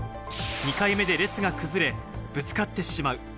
２回目で列が崩れ、ぶつかってしまう。